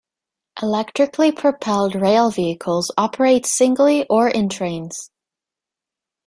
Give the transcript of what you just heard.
Electrically propelled rail vehicles operate singly or in trains.